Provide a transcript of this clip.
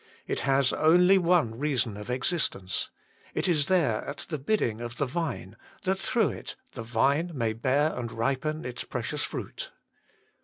It has only one reason of existence; it is there at the bidding of the vine, that through it the vine may bear and ripen its precious fruit.